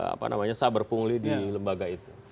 apa namanya saber pungli di lembaga itu